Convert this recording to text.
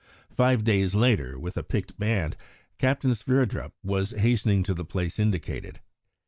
Five days later, with a picked band, Captain Sverdrup was hastening to the place indicated.